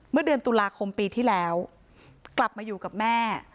เมื่อเดือนตุลาคมปีที่แล้วกลับมาอยู่กับแม่